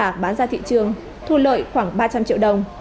mãnh đã đem bán ra thị trường thu lợi khoảng ba trăm linh triệu đồng